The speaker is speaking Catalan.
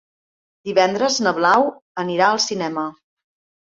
Divendres na Blau anirà al cinema.